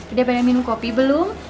udah pada minum kopi belum